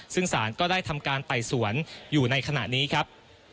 ซึ่งสารก็ได้ทำการไต่สวนอยู่ในขณะนี้ครับ